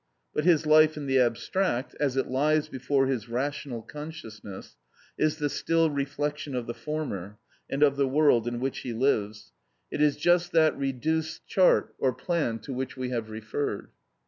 But his life in the abstract, as it lies before his rational consciousness, is the still reflection of the former, and of the world in which he lives; it is just that reduced chart or plan to which we have referred.